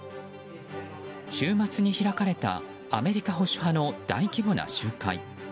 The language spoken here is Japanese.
週末に開かれたアメリカ保守派の大規模な集会。